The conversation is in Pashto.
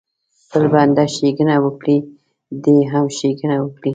بل بنده ښېګڼه وکړي دی هم ښېګڼه وکړي.